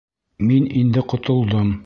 Мин инде ҡотолдом!